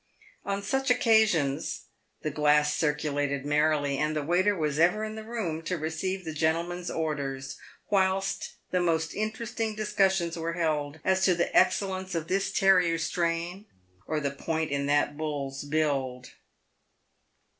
On such occasions the glass circulated merrily, and the waiter w r as ever in the room to receive the gentlemen's orders, whilst the most interesting discussions were held as to the excellence of this terrier's strain, or the points in that bull's build.